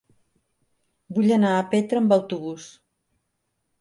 Vull anar a Petra amb autobús.